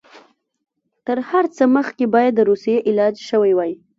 تر هر څه مخکې باید د روسیې علاج شوی وای.